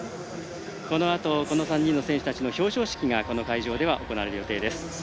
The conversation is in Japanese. このあと、この３人の選手たちの表彰式が行われる予定です。